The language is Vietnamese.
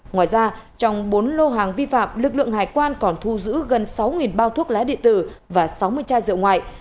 ngoài ra trong bốn lô hàng vi phạm lực lượng hải quan còn thu giữ gần sáu bao thuốc lá điện tử và sáu mươi chai rượu ngoại